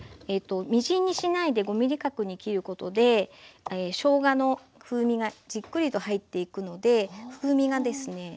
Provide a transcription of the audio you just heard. みじんにしないで５ｍｍ角に切ることでしょうがの風味がじっくりと入っていくので風味がですね